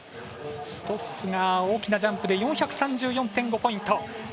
ストッフが大きなジャンプで４３５ポイント。